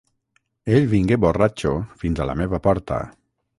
Ell vingué borratxo fins a la meva porta.